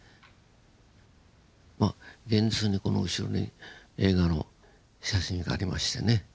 まあ現実にこの後ろに映画の写真がありましてね。